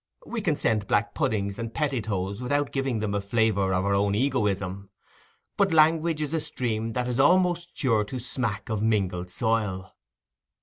We can send black puddings and pettitoes without giving them a flavour of our own egoism; but language is a stream that is almost sure to smack of a mingled soil.